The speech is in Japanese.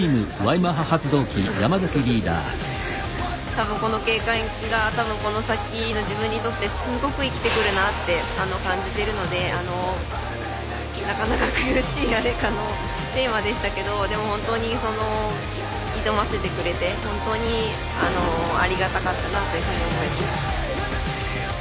多分この経験が多分この先の自分にとってすごく生きてくるなって感じてるのでなかなか苦しいテーマでしたけどでも本当に挑ませてくれて本当にありがたかったなというふうに思います。